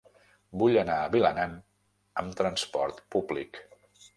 Vull anar a Vilanant amb trasport públic.